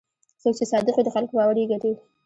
څوک چې صادق وي، د خلکو باور یې ګټي.